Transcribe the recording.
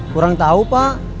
kurang tahu pak